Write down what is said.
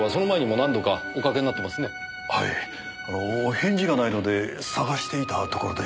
返事がないので捜していたところで。